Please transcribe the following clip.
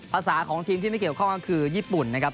ภาษาของทีมที่ไม่เกี่ยวข้องก็คือญี่ปุ่นนะครับ